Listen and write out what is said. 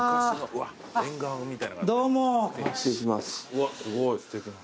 うわっすごいすてきな。